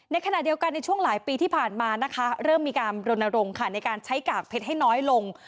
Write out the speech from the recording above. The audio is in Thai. ในขณะเดียวกันในช่วงหลายปีที่ผ่านมานะคะเริ่มมีการรณรงค์ในการใช้กากเพชรให้น้อยลง